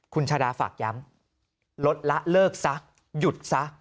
คุณชาดาฝากย้ำลดละเลิกซะหยุดซะ